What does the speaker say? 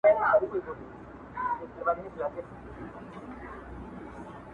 یو له بله کړو پوښتني لکه ښار د ماشومانو؛